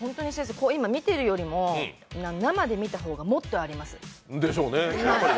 今見てるよりも生で見た方がもっとあります。でしょうね。